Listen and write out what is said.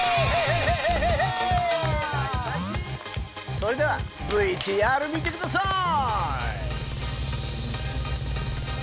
それではＶＴＲ見てください！